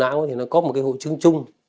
những bệnh u não có một hội chứng chung